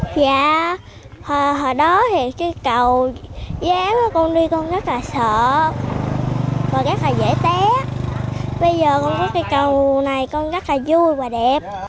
dạ hồi đó thì cái cầu dám con đi con rất là sợ và rất là dễ té bây giờ con có cái cầu này con rất là vui và đẹp